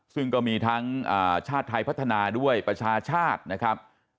ซึ่งก็มีทั้งชาติไทยพัฒนาด้วยประชาชาตินะครับ